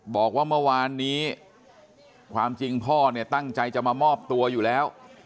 บอกว่าเมื่อวานนี้ความจริงพ่อเนี่ยตั้งใจจะมามอบตัวอยู่แล้ว